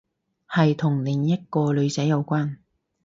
係同另一個女仔有關